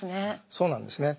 そうなんですね。